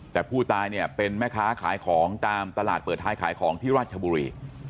แต่ผู้ตายเนี่ยเป็นแม่ค้าขายของตามตลาดเปิดท้ายขายของที่ราชบุรี